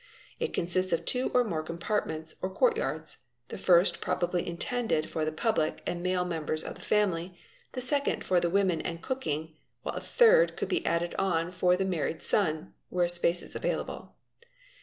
It consists of two or more compartments or court yards—the first probably intended for the public and male members of the family, the second for the women and cooking, while a third could be added on for the married son, (where space was available).